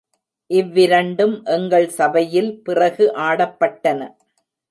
இவ்விரண்டும் எங்கள் சபையில் பிறகு ஆடப்பட்டன.